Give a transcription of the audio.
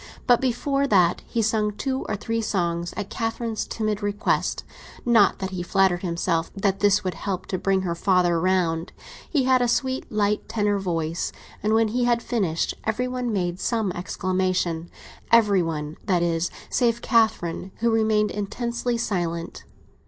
But before that he sang two or three songs at Catherine's timid request; not that he flattered himself that this would help to bring her father round. He had a sweet, light tenor voice, and when he had finished every one made some exclamation—every one, that is, save Catherine, who remained intensely silent.